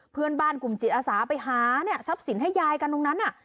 เพื่อนบ้านกลุ่มจิตอาสาไปหาทรัพย์สินให้ยายกันตรงนั้น